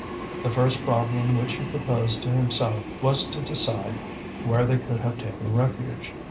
The first problem which he proposed to himself was to decide where they could have taken refuge.